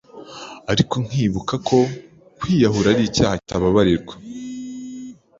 ariko nkibuka ko kwiyahura ari icyaha kitababarirwa.